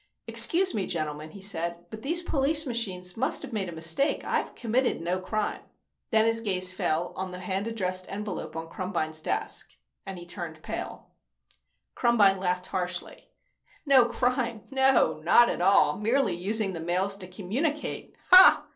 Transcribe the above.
"Excuse me, gentlemen," he said, "but these police machines must have made a mistake. I've committed no crime." Then his gaze fell on the hand addressed envelope on Krumbine's desk and he turned pale. Krumbine laughed harshly. "No crime! No, not at all. Merely using the mails to communicate. Ha!"